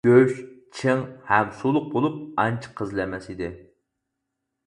گۆش چىڭ ھەم سۇلۇق بولۇپ، ئانچە قىزىل ئەمەس ئىدى.